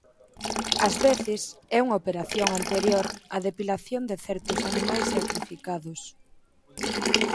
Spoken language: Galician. Ás veces é unha operación anterior á depilación de certos animais sacrificados.